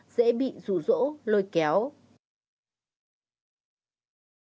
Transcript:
dễ bị rủ rỗ lôi kéo